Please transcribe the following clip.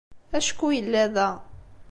Acku yella da.